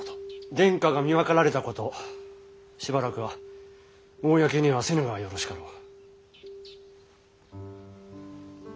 殿下が身まかられたことしばらくは公にはせぬがよろしかろう。